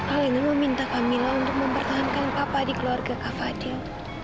alena meminta camilla untuk mempertahankan papa di keluarga kak fadil